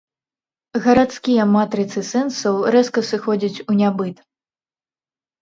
Гарадскія матрыцы сэнсаў рэзка сыходзяць у нябыт.